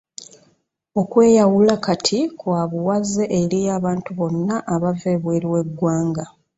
Okweyawula kati kwa buwaze eri abantu bonna abava ebweru w'eggwanga.